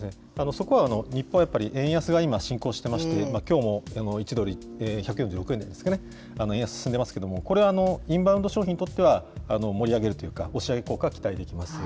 そこは日本はやっぱり円安が今、進行してまして、きょうも１ドル１４６円ですかね、円安進んでますけれども、これ、インバウンド消費にとっては盛り上げるというか、押し上げ効果は期待できます。